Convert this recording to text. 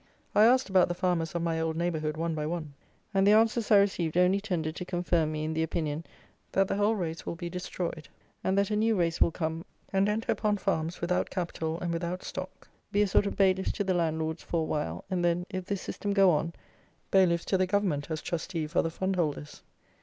I asked about the farmers of my old neighbourhood, one by one; and the answers I received only tended to confirm me in the opinion that the whole race will be destroyed; and that a new race will come, and enter upon farms without capital and without stock; be a sort of bailiffs to the landlords for a while, and then, if this system go on, bailiffs to the Government as trustee for the fundholders.